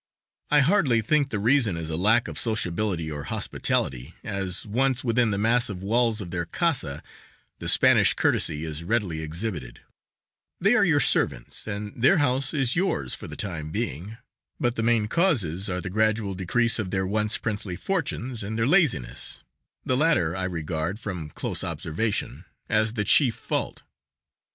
I hardly think the reason is a lack of sociability or hospitality, as, once within the massive walls of their casa, the Spanish courtesy is readily exhibited; they are your servants, and their house is yours for the time being, but the main causes are the gradual decrease of their once princely fortunes, and their laziness; the latter I regard, from close observation, as the chief fault.